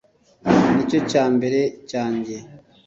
Nicyo cya mbere cyanjye